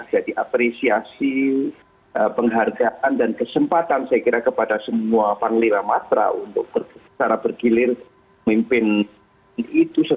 jadi apresiasi penghargaan dan kesempatan saya kira kepada semua panglima matra untuk secara bergilir memimpin itu